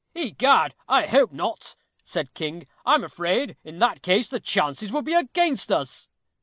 "Egad! I hope not," said King. "I'm afraid, in that case, the chances would be against us."